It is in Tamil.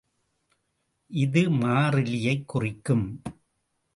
இது மாறிலியைக் குறிக்கும்.